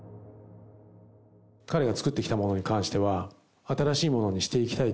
彼が作ってきたものに関しては、新しいものにしていきたい。